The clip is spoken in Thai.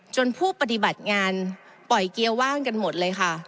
ผู้ปฏิบัติงานปล่อยเกียร์ว่างกันหมดเลยค่ะ